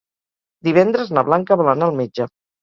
Divendres na Blanca vol anar al metge.